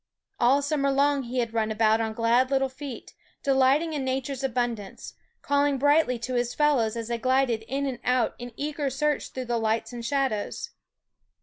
All summer long he had run about on glad little feet, delighting in nature's abundance, calling brightly to his fellows as they glided in and out in eager search through the lights and shadows.